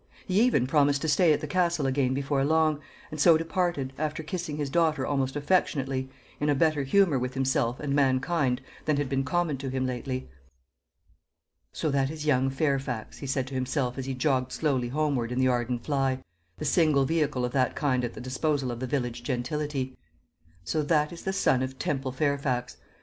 He even promised to stay at the Castle again before long, and so departed, after kissing his daughter almost affectionately, in a better humour with himself and mankind than had been common to him lately. "So that is young Fairfax," he said to himself as he jogged slowly homeward in the Arden fly, the single vehicle of that kind at the disposal of the village gentility; "so that is the son of Temple Fairfax.